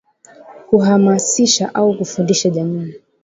Kuhamasisha au kufundisha jamii